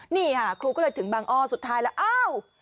นี่ค่ะครูก็เลยถึงบังอ้อสุดท้ายแล้วอ้าว